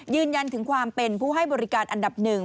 ยืนยันถึงความเป็นผู้ให้บริการอันดับหนึ่ง